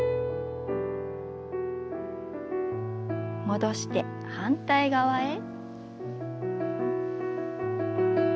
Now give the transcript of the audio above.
戻して反対側へ。